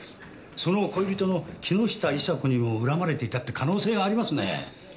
その恋人の木下伊沙子にも恨まれていたって可能性がありますね。